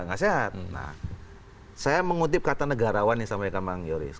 nah saya mengutip kata negarawan yang disampaikan bang yoris